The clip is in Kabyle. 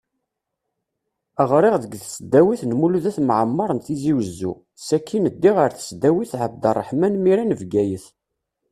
Ɣriɣ deg tesdawit n Mulud At Mɛemmeṛ n Tizi Wezzu, sakin ddiɣ ar tesdawit ɛeb Erraḥman Mira n Bgayet.